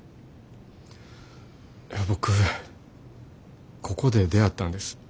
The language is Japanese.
僕ここで出会ったんです。